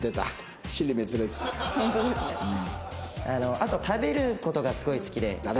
あと食べる事がすごい好きで。